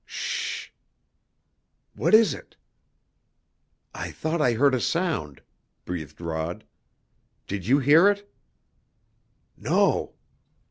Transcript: "Sh h h h h!" "What is it?" "I thought I heard a sound!" breathed Rod. "Did you hear it?" "No."